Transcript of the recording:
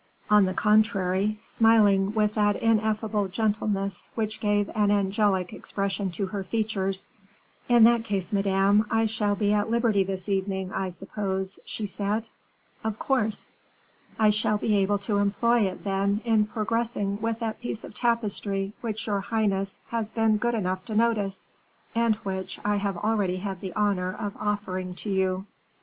On the contrary, smiling with that ineffable gentleness which gave an angelic expression to her features "In that case, Madame, I shall be at liberty this evening, I suppose?" she said. "Of course." "I shall be able to employ it, then, in progressing with that piece of tapestry which your highness has been good enough to notice, and which I have already had the honor of offering to you."